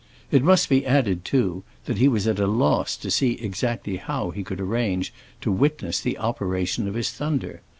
It must be added, too, that he was at a loss to see exactly how he could arrange to witness the operation of his thunder.